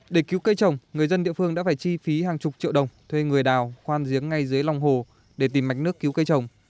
để cứu cây trồng người dân địa phương đã phải chi phí hàng chục triệu đồng thuê người đào khoan giếng ngay dưới lòng hồ để tìm mạch nước cứu cây trồng